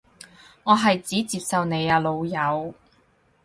我係指接受你啊老友